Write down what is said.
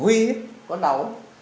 huy có đâu